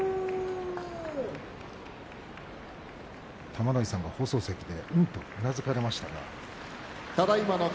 玉ノ井さんが放送席でうなずかれました。